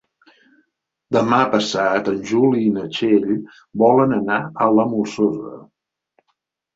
Demà passat en Juli i na Txell volen anar a la Molsosa.